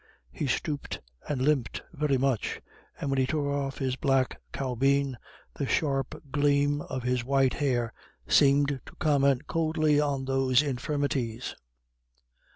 He stooped and limped very much, and when he took off his black caubeen, the sharp gleam of his white hair seemed to comment coldly on those infirmities.